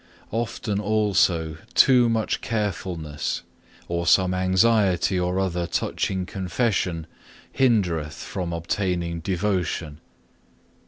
3. Often also too much carefulness or some anxiety or other touching confession hindereth from obtaining devotion.